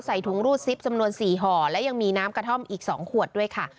ใส่ถุงรูดซิปจำนวน๔ห่อและยังมีน้ำกระท่อมอีก๒ขวดด้วยค่ะ